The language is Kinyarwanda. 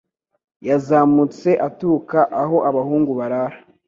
yazamutse aturuka aho abahungu barara